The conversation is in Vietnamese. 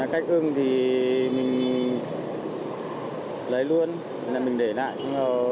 khách ưng thì mình lấy luôn mình để lại